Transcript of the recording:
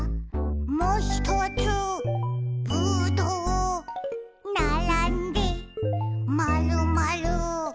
「もひとつぶどう」「ならんでまるまる」